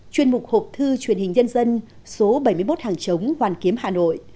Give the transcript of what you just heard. chuyên mục hộp thư truyền hình nhân dân số bảy mươi một hàng chống hoàn kiếm hà nội